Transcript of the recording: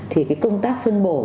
thì công tác phân bổ